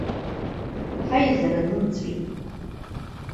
Ҳаизара нымҵәеит.